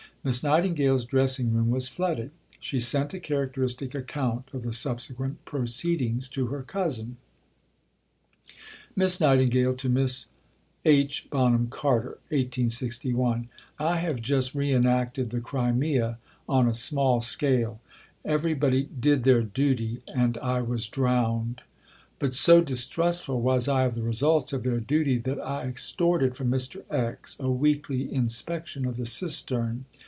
Miss Nightingale's dressing room was flooded. She sent a characteristic account of the subsequent proceedings to her cousin: (Miss Nightingale to Miss H. Bonham Carter.) [1861.] ... I have just re enacted the Crimea on a small scale. Everybody "did their duty," and I was drowned. But so distrustful was I of the results of their duty that I extorted from Mr. X. a weekly inspection of the cistern.